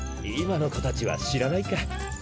今の子たちは知らないか。